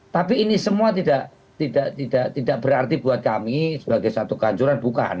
tapi ini semua tidak berarti buat kami sebagai satu kehancuran bukan